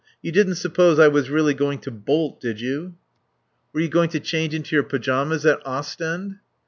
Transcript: You didn't suppose I was really going to bolt, did you?" "Were you going to change into your pyjamas at Ostend?"